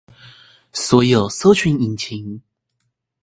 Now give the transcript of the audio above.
所有搜尋引擎